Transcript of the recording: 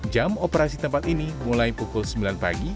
jam operasi tempat ini mulai pukul sembilan pagi